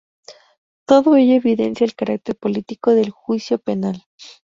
Todo ello evidencia el carácter político del juicio penal.